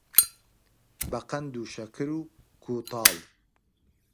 بەقەند و شەکر و کووتاڵ